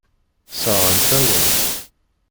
Sseṛɣent-awen-tt.